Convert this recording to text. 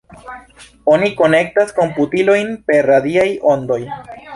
Oni konektas komputilojn per radiaj ondoj.